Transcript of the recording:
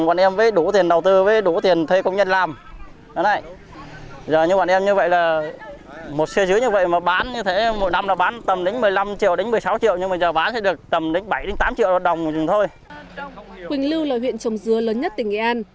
quỳnh lưu là huyện trồng dứa lớn nhất tỉnh nghệ an